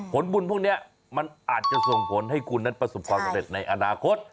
ผลบุญพวกนี้มันอาจจะส่งผลให้คุณนั้นประสบความสำเร็จในอนาคต